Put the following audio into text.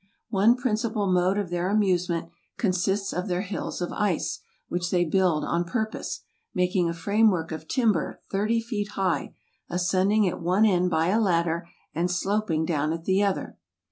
One principal mode of their amusement consists of their hills of ice, which they build on purpose; making a frame¬ work of timber 30 feet high, ascending at one end by a ladder, and sloping down at the other.